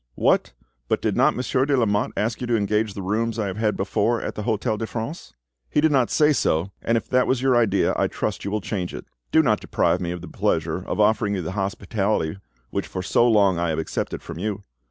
"What! but did not Monsieur de Lamotte ask you to engage the rooms I have had before at the Hotel de France?" "He did not say so, and if that was your idea I trust you will change it. Do not deprive me of the pleasure of offering you the hospitality which for so long I have accepted from you.